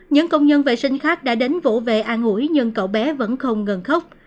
những công nhân vệ sinh khác đã đến vỗ vệ an ủi nhưng cậu bé vẫn không ngừng khóc